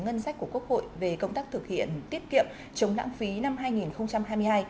ngân sách của quốc hội về công tác thực hiện tiết kiệm chống lãng phí năm hai nghìn hai mươi hai